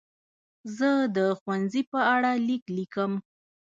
زه د ښوونځي په اړه لیک لیکم.